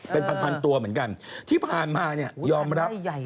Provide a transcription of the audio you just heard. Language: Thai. เป็นพันตัวเหมือนกันที่ผ่านมายอมรับ